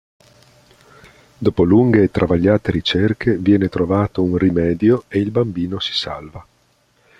Dopo lunghe e travagliate ricerche viene trovato un rimedio e il bambino si salva.